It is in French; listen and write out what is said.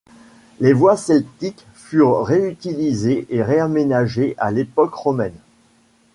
Les voies celtiques furent réutilisées et réaménagées à l’époque romaine.